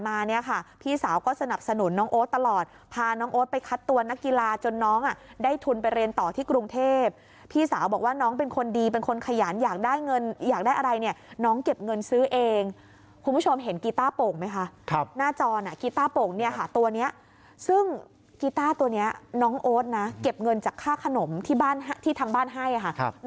มาเนี่ยค่ะพี่สาวก็สนับสนุนน้องโอ๊ตตลอดพาน้องโอ๊ตไปคัดตัวนักกีฬาจนน้องอ่ะได้ทุนไปเรียนต่อที่กรุงเทพฯพี่สาวบอกว่าน้องเป็นคนดีเป็นคนขยานอยากได้เงินอยากได้อะไรเนี่ยน้องเก็บเงินซื้อเองคุณผู้ชมเห็นกีต้าโป่งไหมค่ะครับหน้าจอนอ่ะกีต้าโป่งเนี่ยค่ะตัวเนี้ยซึ่งกีต้าตัวเนี้ยน